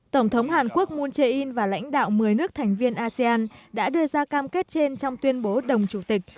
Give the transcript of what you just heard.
tổng thống hàn quốc moon jae in và lãnh đạo một mươi nước thành viên asean đã đưa ra cam kết trên trong tuyên bố đồng chủ tịch